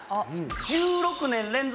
１６年連続